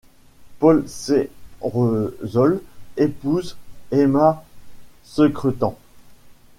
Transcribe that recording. Paul Ceresole épouse Emma Secretan.